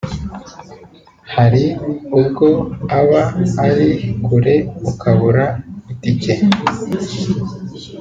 hari ubwo aba ari kure ukabura itike